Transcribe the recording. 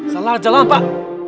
salah aja lah pak